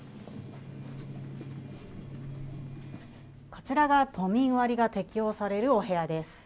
こちらが都民割が適用されるお部屋です。